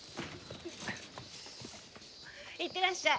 いってらっしゃい。